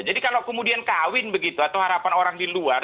jadi kalau kemudian kawin begitu atau harapan orang di luar